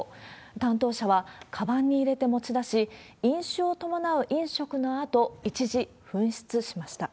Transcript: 担当者はかばんに入れて持ち出し、飲酒を伴う飲食のあと、一時紛失しました。